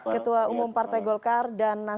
ketua umum partai golkar dan